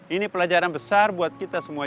ini pelajaran besar buat kita semua